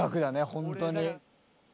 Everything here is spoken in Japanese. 本当に。